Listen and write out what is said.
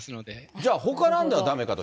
じゃあ、ほかだとだめかと。